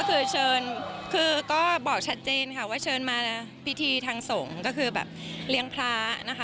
ก็คือเชิญคือก็บอกชัดเจนค่ะว่าเชิญมาพิธีทางสงฆ์ก็คือแบบเลี้ยงพระนะคะ